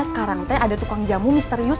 sekarang teh ada tukang jamu misterius